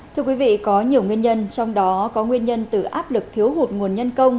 thưa quý vị có nhiều nguyên nhân trong đó có nguyên nhân từ áp lực thiếu hụt nguồn nhân công